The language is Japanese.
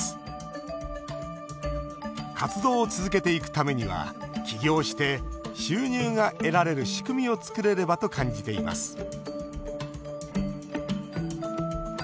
活動を続けていくためには起業して収入が得られる仕組みを作れればと感じています